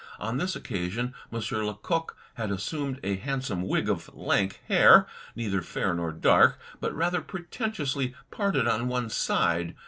On this occasion M. Lecoq had assumed a hand some wig of lank hair, neither fair nor dark, but rather pretentiously parted on one side.